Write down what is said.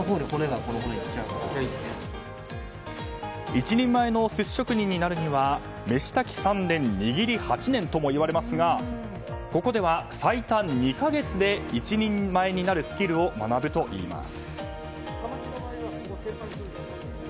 一人前の寿司職人になるには飯炊き３年、握り８年ともいわれますがここでは最短２か月で一人前になるスキルを学ぶといいます。